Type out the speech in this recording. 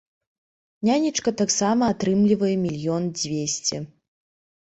Нянечка таксама атрымлівае мільён дзвесце.